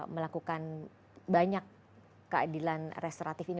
melakukan banyak keadilan restoratif ini